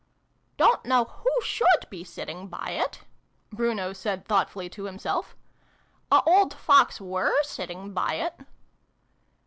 " Don't know who should be sitting by it," Bruno said thoughtfully to himself. " A old Fox were sitting by it."